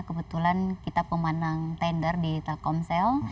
kebetulan kita pemanang tender di telkomsel